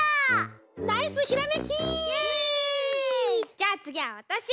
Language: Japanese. じゃあつぎはわたし。